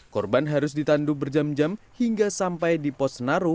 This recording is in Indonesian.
korban harus ditandu berjam jam hingga sampai di pos senaru